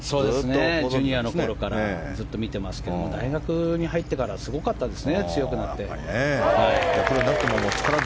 ジュニアのころからずっと見てますけど大学に入ってからすごかったですね。